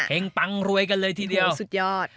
ปังรวยกันเลยทีเดียวสุดยอด